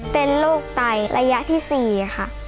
เป็นโรคไตระยะที่๔ค่ะ